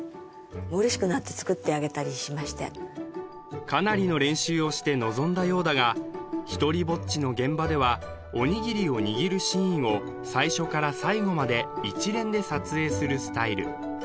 もう嬉しくなって作ってあげたりしましてかなりの練習をして臨んだようだが「ひとりぼっち」の現場ではおにぎりを握るシーンを最初から最後まで一連で撮影するスタイル